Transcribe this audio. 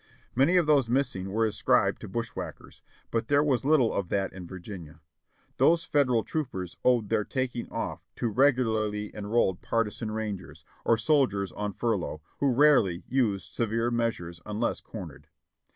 Many of those missing were ascribed to bushwhackers, but there was little of that in Virginia. Those Federal troopers owed their taking off to regularly enrolled partisan rangers, or soldiers on furlough, who rarely used severe measures unless cornered.